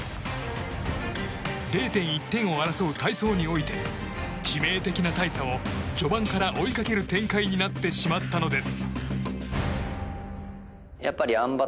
０．１点差を争う体操において致命的な大差を序盤から追いかける展開になってしまったのです。